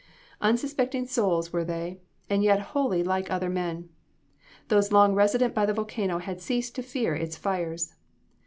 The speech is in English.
Unsuspecting souls were they, and yet wholly like other men. Those long resident by the volcano have ceased to fear its fires.